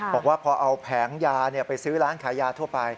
บอกว่าพอเอาแผงยาไปซื้อร้านขายยาทั่วไป